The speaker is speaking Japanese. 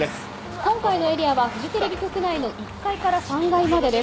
今回のエリアはフジテレビの局内の１階から３階までです。